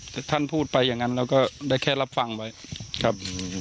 แต่ท่านพูดไปอย่างนั้นเราก็ได้แค่รับฟังไว้ครับ